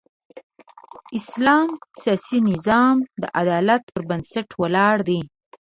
اسلام سیاسي نظام د عدالت پر بنسټ ولاړ دی.